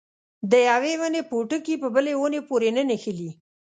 د یوې ونې پوټکي په بله ونه پورې نه نښلي.